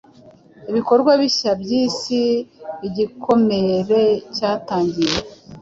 Ibikorwa bishya byisi Igikomere cyatangiye